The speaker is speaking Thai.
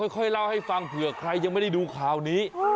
ค่อยเล่าให้ฟังเผื่อใครยังไม่ได้ดูข่าวนี้